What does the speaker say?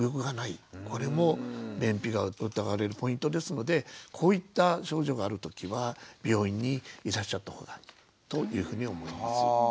これも便秘が疑われるポイントですのでこういった症状がある時は病院にいらっしゃった方がというふうに思います。